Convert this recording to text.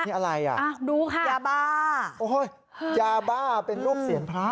นี่อะไรอ่ะอย่าบ้าอย่าบ้าเป็นรูปเสียงพระ